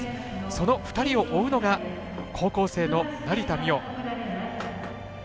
その２人を追うのが高校生の成田実生。